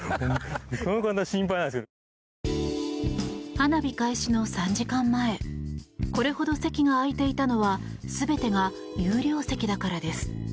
花火開始の３時間前これほど席が空いていたのは全てが有料席だからです。